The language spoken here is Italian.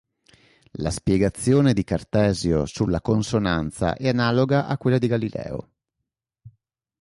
La spiegazione di Cartesio sulla consonanza è analoga a quella di Galileo.